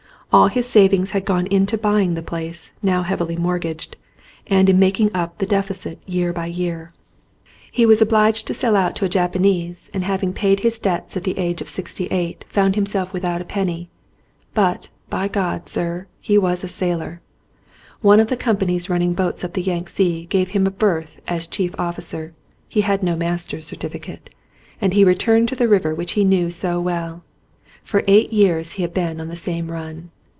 All his savings had gone into buying the place, now heavily mortgaged, and in making up the deficit year by year. He was 180 THE OLD TIMER obliged to sell out to a Japanese and haying paid his debts at the age of sixty eight found him self without a penny. But, by God, sir, he was a sailor. One of the companies running boats up the Yangtze, gave him a berth as chief officer — he had no master's certificate — and he returned to the river which he knew so well. For eight years he had been on the same run.